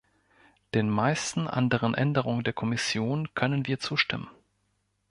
Den meisten anderen Änderungen der Kommission können wir zustimmen.